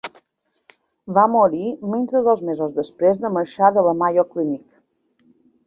Va morir menys de dos mesos després de marxar de la Mayo Clinic.